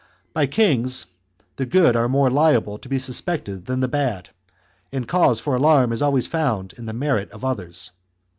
By kings the good are more liable to be suspected than the bad, and cause for alarm is always found in the merit of others.